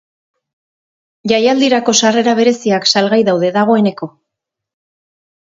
Jaialdirako sarrera bereziak salgai daude dagoeneko.